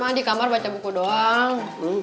mama di kamar baca buku doang